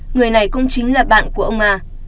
người này cũng chính là bạn của ông a